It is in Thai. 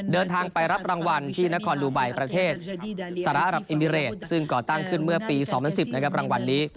เดินทางไปรับรางวัลที่นครดูไบประเทศสหรัฐอรับอิมิเรตซึ่งก่อตั้งขึ้นเมื่อปี๒๐๑๐นะครับรางวัลนี้